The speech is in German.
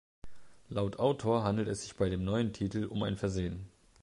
Laut Autor handelt es sich bei dem neuen Titel um ein Versehen.